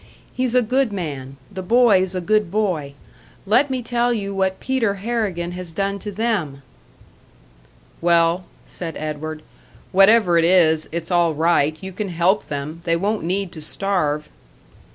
He's a good man, the boy's a good boy. Let me tell you what Peter Harrigan has done to them!" "Well," said Edward, "whatever it is, it's all right, you can help them. They won't need to starve."